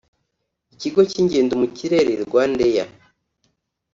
Ikigo cy’ingendo mu kirere Rwanda air